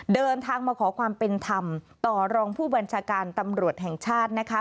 เดินทางมาขอความเป็นธรรมต่อรองผู้บัญชาการตำรวจแห่งชาตินะคะ